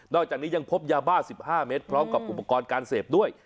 อกจากนี้ยังพบยาบ้า๑๕เมตรพร้อมกับอุปกรณ์การเสพด้วย